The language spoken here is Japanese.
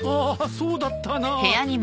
そうだったなあ。